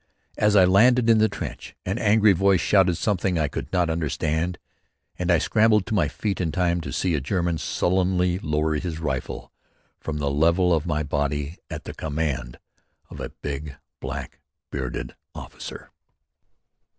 As I landed in the trench an angry voice shouted something I could not understand. And I scrambled to my feet in time to see a German sullenly lower his rifle from the level of my body at the command of a big black bearded officer.